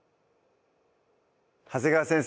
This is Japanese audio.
長谷川先生